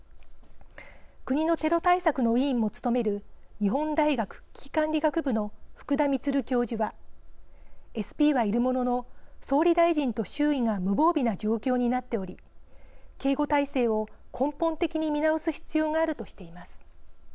国のテロ対策の委員も務める日本大学危機管理学部の福田充教授はＳＰはいるものの総理大臣と周囲が無防備な状況になっており警護態勢を根本的に見直す必要があるとしています。